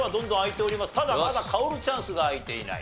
ただまだ薫チャンスが開いていない。